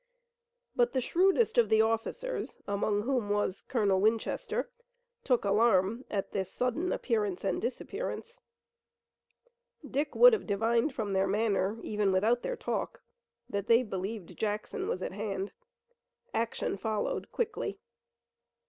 But the shrewdest of the officers, among whom was Colonel Winchester, took alarm at this sudden appearance and disappearance. Dick would have divined from their manner, even without their talk, that they believed Jackson was at hand. Action followed quickly.